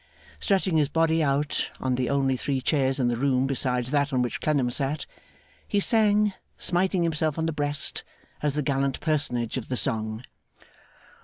Stretching his body out on the only three chairs in the room besides that on which Clennam sat, he sang, smiting himself on the breast as the gallant personage of the song.